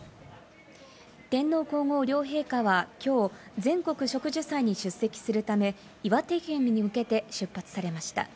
天皇皇后両陛下はきょう全国植樹祭に出席するため、岩手県に向けて出発されました。